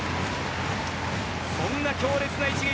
そんな強烈な一撃。